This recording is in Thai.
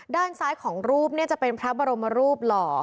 ด้านซ้ายของรูปจะเป็นพระบรมรูปหล่อ